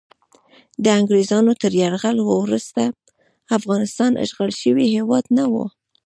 د انګریزانو تر یرغل وروسته افغانستان اشغال شوی هیواد نه و.